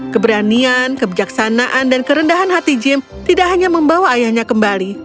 keberanian kebijaksanaan dan kerendahan hati jim tidak hanya membawa ayahnya kembali